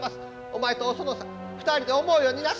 お前とお園さん２人で思うようになさい！